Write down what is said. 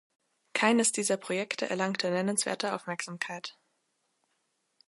Keines dieser Projekte erlangte nennenswerte Aufmerksamkeit.